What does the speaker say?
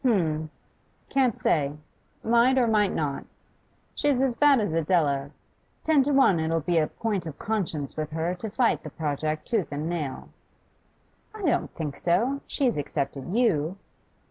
'H'm, can't say. Might or might not. She's as bad as Adela. Ten to one it'll be a point of conscience with her to fight the project tooth and nail.' 'I don't think so. She has accepted you.